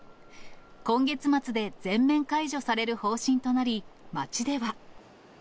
今月末で全面解除される方針となり、街では。